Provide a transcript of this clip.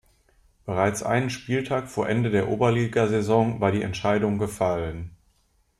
Bereits einen Spieltag vor Ende der Oberligasaison war die Entscheidung gefallen.